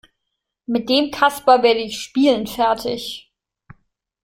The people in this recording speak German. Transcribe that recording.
Mit dem Kasper werde ich spielend fertig.